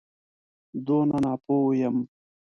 دونه ناپوه یم.